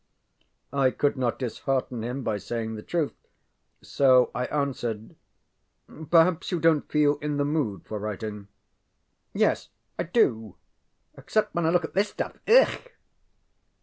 ŌĆØ I could not dishearten him by saying the truth. So I answered: ŌĆ£Perhaps you donŌĆÖt feel in the mood for writing. ŌĆØ ŌĆ£Yes I do except when I look at this stuff. Ugh!